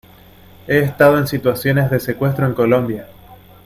he estado en situaciones de secuestro en Colombia.